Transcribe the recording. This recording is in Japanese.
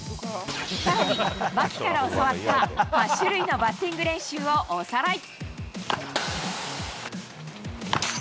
さらに、牧から教わった８種類のバッティング練習をおさらい。